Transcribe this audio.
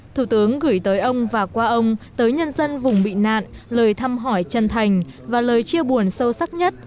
thủ tướng gửi tới ông và qua ông tới nhân dân vùng bị nạn lời thăm hỏi chân thành và lời chia buồn sâu sắc nhất